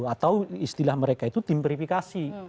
atau istilah mereka itu tim verifikasi